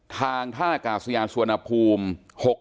ทางท่ากาศยานสุวรรณภูมิ